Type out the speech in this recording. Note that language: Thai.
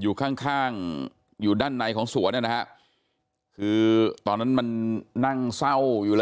อยู่ข้างข้างอยู่ด้านในของสวนนะฮะคือตอนนั้นมันนั่งเศร้าอยู่เลย